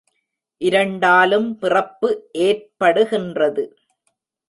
இரண்டாலும் பிறப்பு ஏற்படுகின்றது.